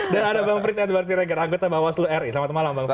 dan ada bang frits adhbar cireger anggota bawaslu ri selamat malam bang frits